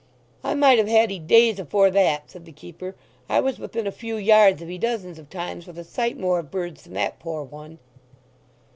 "I might have had 'ee days afore that," said the keeper. "I was within a few yards of 'ee dozens of times, with a sight more of birds than that poor one."